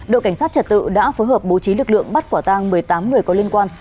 đội cảnh sát trật tự đã phối hợp bố trí lực lượng bắt quả tang một mươi tám người có liên quan